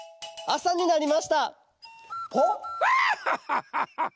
あさになりました。